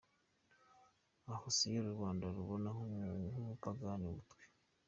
Aho siyo rubanda rubona nk’umupagani butwi?